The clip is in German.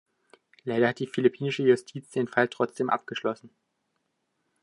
Leider hat die philippinische Justiz den Fall trotzdem abgeschlossen.